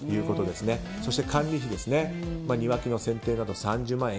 そして管理費庭木の剪定など、３０万円。